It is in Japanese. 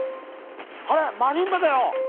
あれっマリンバだよ。